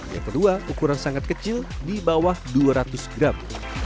yang kedua ukuran sangat kecil di bawah dua ratus gram